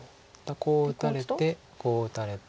こう打たれてこう打たれて。